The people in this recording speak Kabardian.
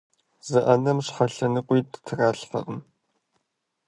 Зы Ӏэнэм щхьэ лъэныкъуитӀ тралъхьэркъым.